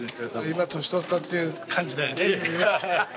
今、年取ったっていう感じだよね